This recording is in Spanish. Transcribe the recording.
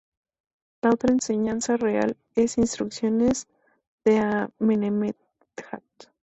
La otra enseñanza real es "Instrucciones de Amenemhat".